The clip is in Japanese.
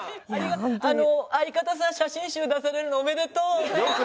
相方さん写真集出されるのおめでとうね。